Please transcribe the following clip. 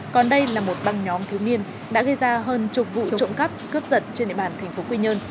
còn đây là một băng nhóm thiếu niên đã gây ra hơn chục vụ trộm cắp cướp giật trên địa bàn tp quy nhơn